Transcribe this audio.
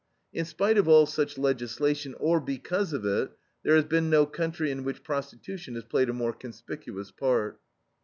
In spite of all such legislation, OR BECAUSE OF IT, there has been no country in which prostitution has played a more conspicuous part."